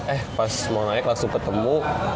eh pas mau naik langsung ketemu